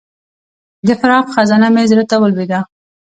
د فراق خزانه مې زړه ته ولوېده.